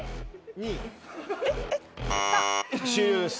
終了です。